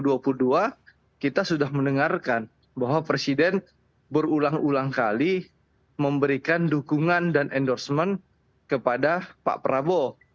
eh dua ribu dua puluh dua kita sudah mendengarkan bahwa presiden berulang ulang kali memberikan dukungan dan endorsement kepada pak prabowo